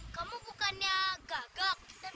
kamu bukannya gagal